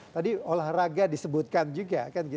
tadi olahraga disebutkan juga